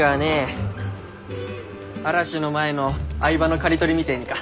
嵐の前の藍葉の刈り取りみてぇにか？